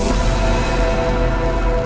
aku akan menang